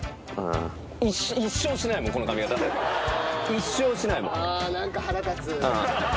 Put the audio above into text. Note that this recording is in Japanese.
一生しないもん。